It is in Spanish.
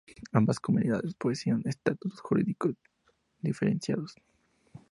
Ambas comunidades poseían estatutos jurídicos diferenciados.